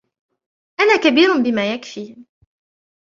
أنا كبير بما يكفي.